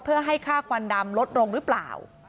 เพื่อให้ค่าควันดำลดลงหรือเปล่า